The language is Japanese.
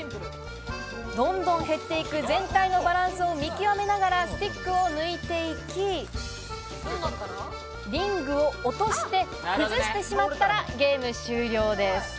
どんどん減っていく全体のバランスを見極めながらスティックを抜いていき、リングを落として崩してしまったらゲーム終了。